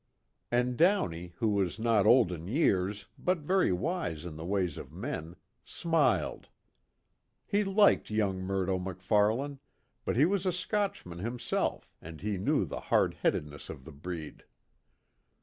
And Downey who was not old in years but very wise in the ways of men, smiled. He liked young Murdo MacFarlane, but he was a Scotchman himself and he knew the hard headedness of the breed.